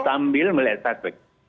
ya sambil melihat topik